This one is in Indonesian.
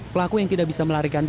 pelaku yang tidak bisa melarikan diri